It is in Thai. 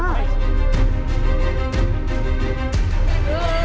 ก่อนเขาเดินส่งแล้ว